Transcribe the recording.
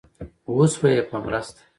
اوس به يې په مرسته